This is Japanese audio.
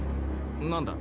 何だ？